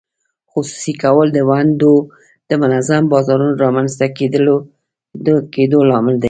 خصوصي کول د ونډو د منظم بازارونو رامینځته کېدو لامل دی.